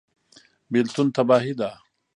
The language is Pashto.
بیلتون تباهي ده